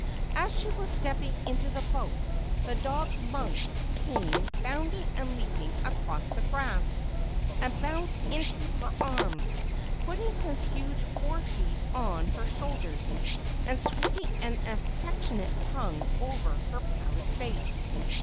As she was stepping into the boat, the dog Monk came bounding and leaping across the grass, and bounced into her arms, putting his huge fore feet on her shoulders, and sweeping an affectionate tongue over her pallid face.